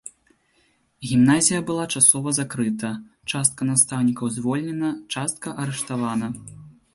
Гімназія была часова закрыта, частка настаўнікаў звольнена, частка арыштавана.